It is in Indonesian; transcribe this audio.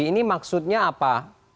ini maksudnya apa